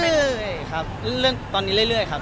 เหนื่อยครับเรื่องตอนนี้เรื่อยครับ